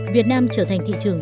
việt nam trở thành thị trường